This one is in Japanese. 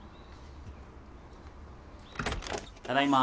ただいま。